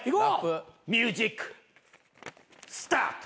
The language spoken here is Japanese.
ミュージックスタート。